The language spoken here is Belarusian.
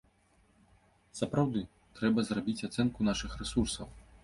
Сапраўды трэба зрабіць ацэнку нашых рэсурсаў.